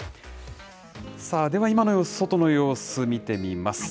さあ、では今の様子、外の様子見てみます。